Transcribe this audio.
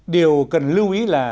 điều cần lưu ý là